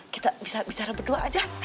kita bicara berdua aja ayo